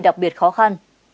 đặc biệt khó khăn